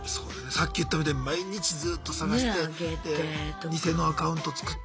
さっき言ったみたいに毎日ずっと探して偽のアカウント作って。